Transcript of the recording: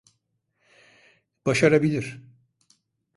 Başarabilir.